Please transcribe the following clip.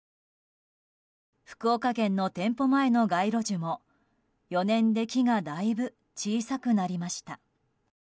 福岡県の店舗前の街路樹も４年で木がだいぶ小さくなりました。